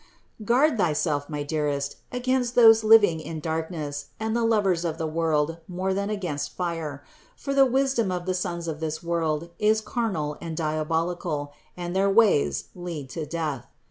Guard thyself, my dearest, against those living in darkness and the lovers of the world more than against fire ; for the wisdom of the sons of this world is carnal and diabolical, and their ways lead to death.